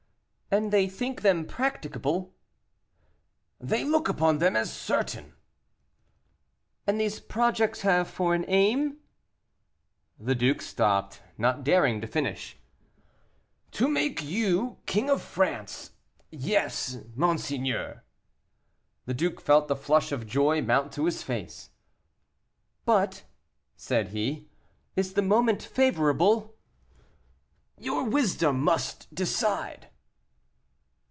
"And they think them practicable?" "They look upon them as certain." "And these projects have for an aim " The duke stopped, not daring to finish. "To make you King of France; yes, monseigneur." The duke felt the flush of joy mount to his face. "But," said he "is the moment favorable?" "Your wisdom must decide."